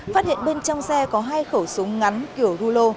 phát hiện bên trong xe có hai khẩu súng ngắn kiểu rulo